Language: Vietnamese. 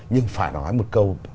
nhưng phải nói một câu